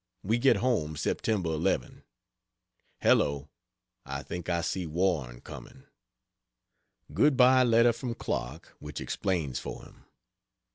We get home Sept. 11. Hello, I think I see Waring coming! Good by letter from Clark, which explains for him.